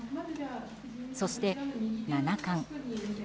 そして、七冠。